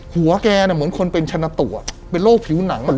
หัวแกเหมือนคนเป็นชนะตัวเป็นโรคผิวหนัง